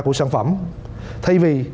của sản phẩm thay vì